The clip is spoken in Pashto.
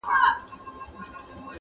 o د ښاره ووزه، د نرخه ئې مه وزه٫